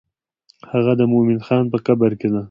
هغه د مومن خان په قبر کې ده.